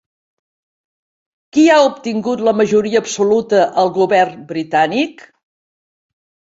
Qui ha obtingut la majoria absoluta al govern britànic?